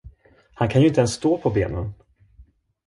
Han kan ju inte ens stå på benen.